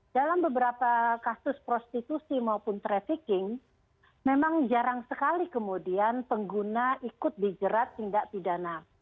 dalam beberapa kasus prostitusi maupun trafficking memang jarang sekali kemudian pengguna ikut dijerat tindak pidana